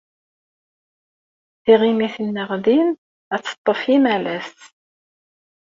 Tiɣimit-nneɣ din ad teṭṭef imalas.